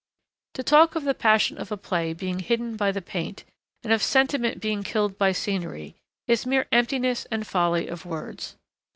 To talk of the passion of a play being hidden by the paint, and of sentiment being killed by scenery, is mere emptiness and folly of words.